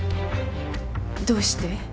どうして？